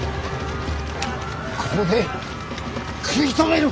ここで食い止める！